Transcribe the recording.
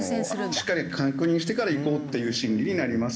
しっかり確認してから行こうっていう心理になりますし。